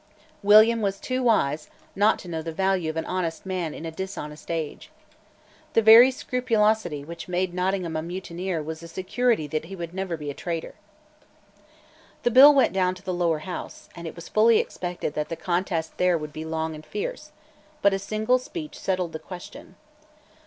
William was too wise not to know the value of an honest man in a dishonest age. The very scrupulosity which made Nottingham a mutineer was a security that he would never be a traitor, The bill went down to the Lower House; and it was full expected that the contest there would be long and fierce; but a single speech settled the question.